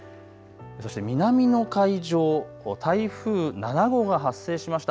そして南の海上、台風７号が発生しました。